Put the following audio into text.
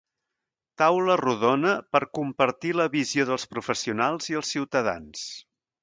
Taula rodona per compartir la visió dels professionals i els ciutadans.